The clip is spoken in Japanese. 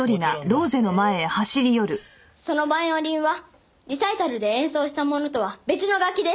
そのバイオリンはリサイタルで演奏したものとは別の楽器です。